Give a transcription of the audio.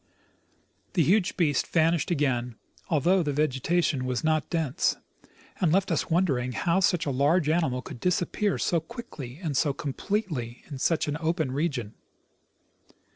The huge beast vanished again, al though the vegetation was not dense, and left us wondering how such a large animal could disappear so quickly and so completely in such an open region.